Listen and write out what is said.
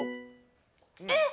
えっ！？